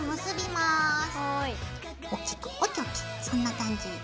そんな感じ。